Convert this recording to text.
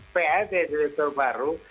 plt direktur baru